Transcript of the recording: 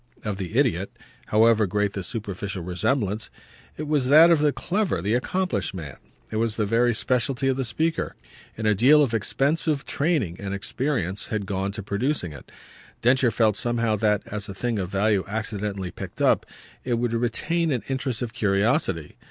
of the idiot, however great the superficial resemblance: it was that of the clever, the accomplished man; it was the very specialty of the speaker, and a deal of expensive training and experience had gone to producing it. Densher felt somehow that, as a thing of value accidentally picked up, it would retain an interest of curiosity.